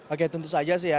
oke tentu saja sih ya